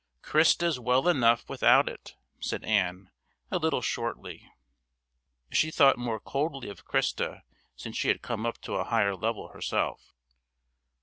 "Christa's well enough without it," said Ann, a little shortly. She thought more coldly of Christa since she had come up to a higher level herself.